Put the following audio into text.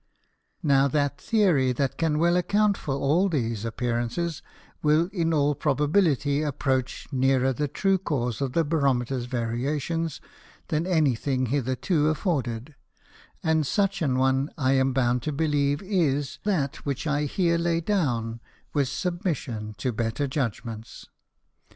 Now that Theory that can well account for all these appearances, will, in all probability, approach nearer the true cause of the Barometers Variations, than any thing hitherto afforded; and such an one I am bound to believe, is that which I here lay down with submission to better Judgments.